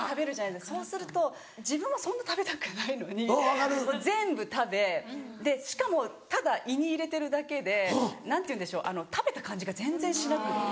そうすると自分もそんな食べたくないのに全部食べでしかもただ胃に入れてるだけで何ていうんでしょう食べた感じが全然しなくって。